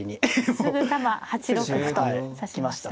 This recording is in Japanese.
すぐさま８六歩と指しました。